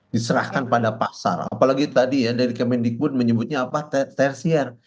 diserahkan pada pasar apalagi tadi ya dari kemendikbud menyebutnya apa tersier